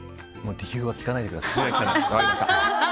理由は聞かないでください。